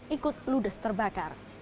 ikut ludes terbakar